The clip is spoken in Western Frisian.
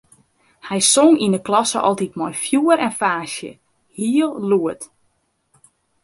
Hy song yn 'e klasse altyd mei fjoer en faasje, hiel lûd.